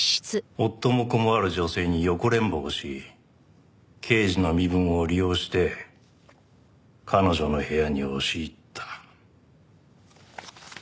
夫も子もある女性に横恋慕をし刑事の身分を利用して彼女の部屋に押し入った。